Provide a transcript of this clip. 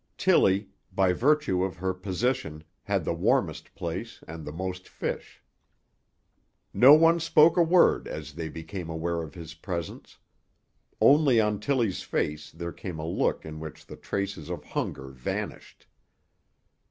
Tillie, by virtue of her position, had the warmest place and the most fish. No one spoke a word as they became aware of his presence. Only on Tillie's face there came a look in which the traces of hunger vanished.